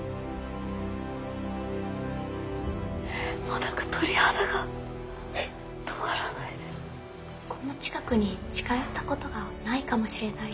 もう何かこんな近くに近寄ったことがないかもしれないです。